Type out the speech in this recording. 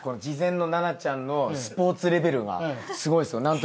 事前の奈々ちゃんのスポーツレベルがすごいですよ。